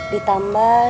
ditambah dua jutaan